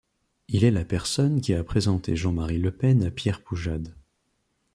Il est la personne qui a présenté Jean-Marie Le Pen à Pierre Poujade.